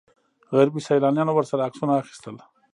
غربي سیلانیانو ورسره عکسونه اخیستل.